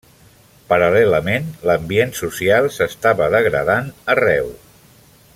Paral·lelament, l'ambient social s'estava degradant arreu.